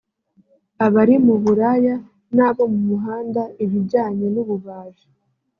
abari mu buraya n’abo mu muhanda ibijyanye n’ububaji